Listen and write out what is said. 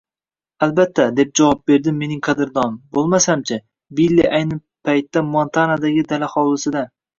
Albatta, – deb javob berdi mening qadrdonim, – boʻlmasam-chi, Billi ayni paytda Montanadagi dala hovlisida.